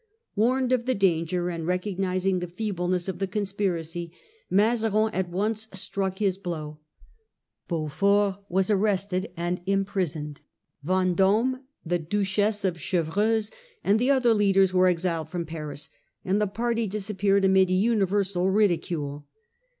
Warned of the danger, and recognising the feebleness of the conspiracy, Mazarin at once struck his 20 Prelude to the Fronde. 1644 blow. Beaufort was arrested and imprisoned ; Venddme, the Duchess of Chevreuse, and the other leaders were exiled from Paris, and the party disappeared amid uni versal ridicule.